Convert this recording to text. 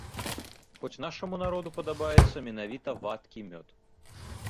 Хоць нашаму народу падабаецца менавіта вадкі мёд.